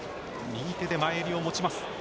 右手で前襟を持ちます。